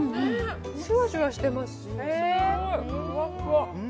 シュワシュワしてますし、ふわっふわ。